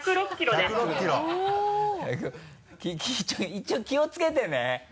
一応気をつけてね。